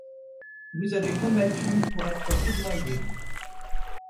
Vous avez combattu pour être foudroyés ;